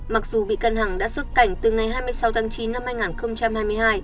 mặc dù bị căn hằng đã xuất cảnh từ ngày hai mươi sáu tháng chín năm hai nghìn hai mươi hai